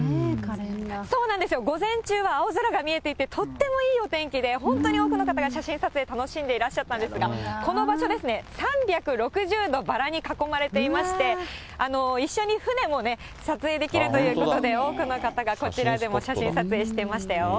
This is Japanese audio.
そうなんですよ、午前中は青空が見えていて、とってもいいお天気で、本当に多くの方が写真撮影楽しんでいらっしゃったんですが、この場所、３６０度バラに囲まれていまして、一緒に船も撮影できるということで、多くの方がこちらでも写真撮影していましたよ。